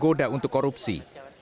tidak tergoda untuk korupsi